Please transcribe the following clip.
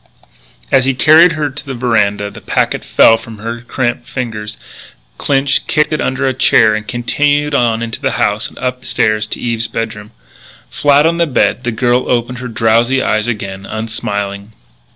As he carried her to the veranda the packet fell from her cramped fingers. Clinch kicked it under a chair and continued on into the house and up the stairs to Eve's bedroom. Flat on the bed, the girl opened her drowsy eyes again, unsmiling.